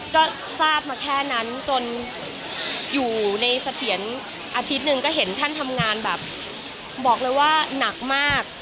ก็ทราบมาแค่นั้นจนอยู่ในเสถียรอาทิตย์หนึ่งก็เห็นท่านทำงานแบบบอกเลยว่าหนักมาก